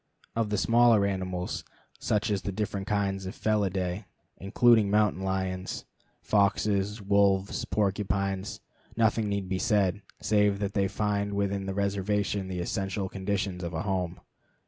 Of the smaller animals, such as the different kinds of the Felidæ, including mountain lions, foxes, wolves, porcupines, nothing need be said, save that they find within the reservation the essential conditions of a home.